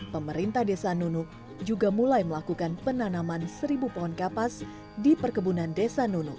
pemerintah desa nunuk juga mulai melakukan penanaman seribu pohon kapas di perkebunan desa nunuk